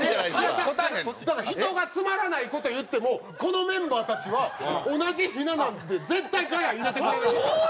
人がつまらない事を言ってもこのメンバーたちは同じひな壇で絶対ガヤ入れてくれるんですよ。